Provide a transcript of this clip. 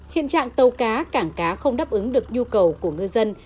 hiện trạng tàu cá cảng cá không đáp ứng được nhu cầu của ngư dân